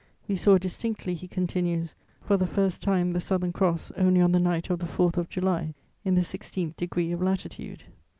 "We saw distinctly," he continues, "for the first time the Southern Cross only on the night of the 4th of July, in the sixteenth degree of latitude....